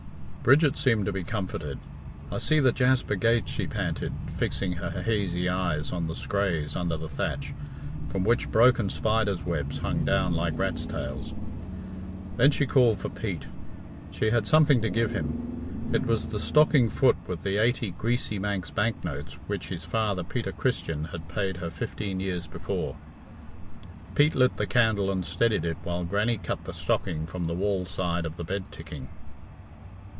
Bridget seemed to be comforted. "I see the jasper gates," she panted, fixing her hazy eyes on the scraas under the thatch, from which broken spiders' webs hung down like rats' tails. Then she called for Pete. She had something to give him. It was the stocking foot with the eighty greasy Manx banknotes which his father, Peter Christian, had paid her fifteen years before. Pete lit the candle and steadied it while Grannie cut the stocking from the wall side of the bed ticking.